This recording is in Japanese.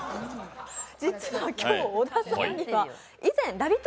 実は今日、小田さんには以前ラヴィット！